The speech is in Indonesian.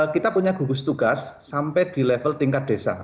kita punya gugus tugas sampai di level tingkat desa